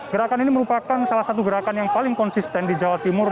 gerakan ini merupakan salah satu gerakan yang paling konsisten di jawa timur